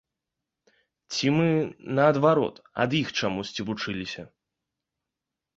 Ці мы, наадварот, ад іх чамусьці вучыліся?